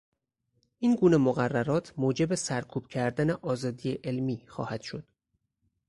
این گونه مقررات موجب سرکوب کردن آزادی علمی خواهد شد.